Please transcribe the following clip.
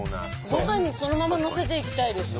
ご飯にそのままのせていきたいです。